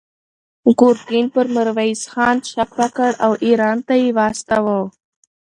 ګورګین پر میرویس خان شک وکړ او ایران ته یې واستاوه.